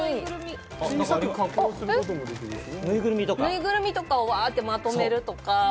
ぬいぐるみとかをまとめるとか。